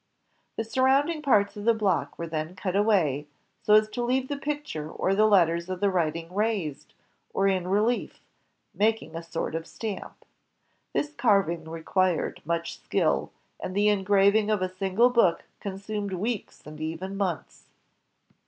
The surroimding parts of the block were then cut away, so as to leave the picture and the letters of the writing raised, or in reUef, making a sort of stamp. This carving required much skill, and the engraving of a single book consumed weeks and even months.